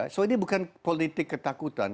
so ini bukan politik ketakutan